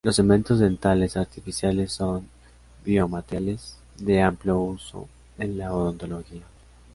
Los cementos dentales artificiales son biomateriales de amplio uso en la odontología.